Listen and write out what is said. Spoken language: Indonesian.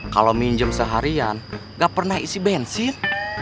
kalau minjem seharian gak pernah isi bensin